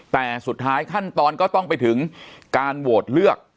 แต่สุดท้ายขั้นตอนก็ต้องไปถึงการโหวตเลือก